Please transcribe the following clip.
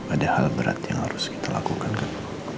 ada alat berat yang harus kita lakukan kan